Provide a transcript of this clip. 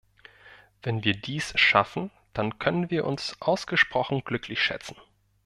Wenn wir dies schaffen, dann können wir uns ausgesprochen glücklich schätzen.